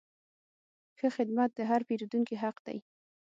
ښه خدمت د هر پیرودونکي حق دی.